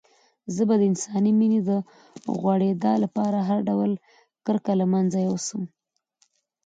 زه به د انساني مينې د غوړېدا لپاره هر ډول کرکه له منځه يوسم.